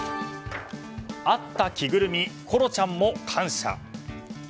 あった着ぐるみコロちゃんも感謝。